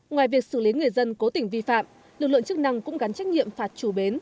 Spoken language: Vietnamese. ngoài việc xử lý người dân cố tình vi phạm lực lượng chức năng cũng gắn trách nhiệm phạt chủ bến